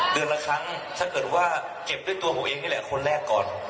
เดือนละครั้งถ้าเกิดว่าเก็บด้วยตัวผมเองนี่แหละคนแรกก่อน